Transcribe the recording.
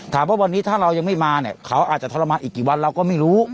ถามว่าวันนี้ถ้าเรายังไม่มาเนี่ยเขาอาจจะทรมานอีกกี่วันเราก็ไม่รู้